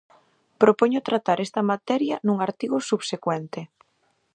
Propoño tratar esta materia nun artigo subsecuente.